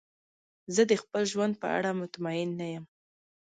زه د خپل ژوند په اړه مطمئن نه یم.